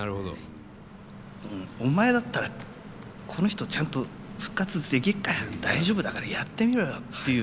お前だったらこの人ちゃんと復活できっから大丈夫だからやってみろよっていう。